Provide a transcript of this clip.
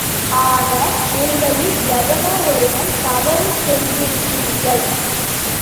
ஆக, உங்களில் எவனோ ஒருவன் தவறு செய்திருக்கிறீர்கள்?